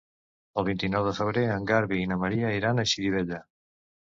El vint-i-nou de febrer en Garbí i na Maria iran a Xirivella.